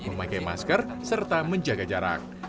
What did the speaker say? memakai masker serta menjaga jarak